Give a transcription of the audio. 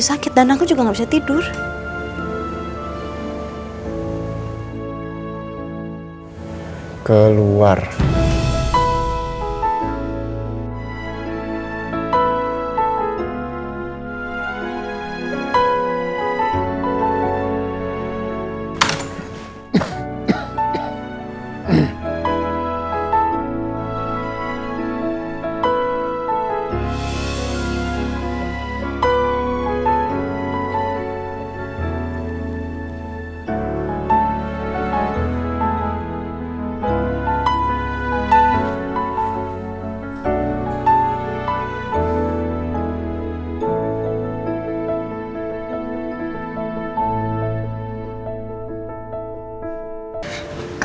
sampai jumpa di video selanjutnya